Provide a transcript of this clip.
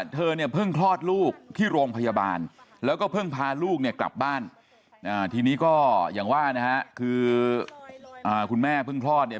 ทีนี้ก็อย่างว่านะครับคือคุณแม่เพิ่งคลอดเนี่ย